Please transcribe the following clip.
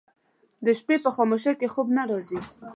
د شپې په خاموشۍ کې خوب نه راځي